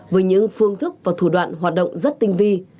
với những phương thức và thủ đoạn hoạt động rất tinh vi